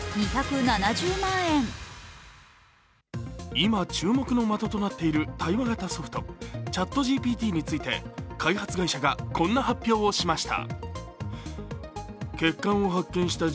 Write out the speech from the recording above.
今、注目の的となっている対話型ソフトＣｈａｔＧＰＴについて開発会社がこんな発表をしました。